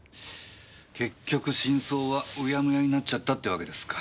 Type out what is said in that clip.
結局真相はうやむやになっちゃったってわけですか。